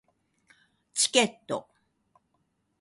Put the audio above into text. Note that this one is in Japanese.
チケット